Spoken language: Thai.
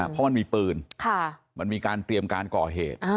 เพราะมันมีปืนมันมีการเตรียมการก่อเหตุ